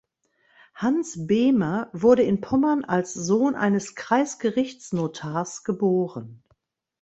Hans Behmer wurde in Pommern als Sohn eines Kreisgerichtsnotars geboren.